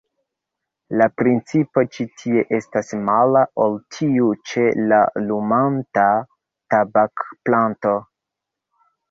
La principo ĉi tie estas mala ol tiu ĉe la lumanta tabakplanto.